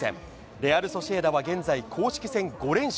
レアルソシエダは、現在、公式戦５連勝。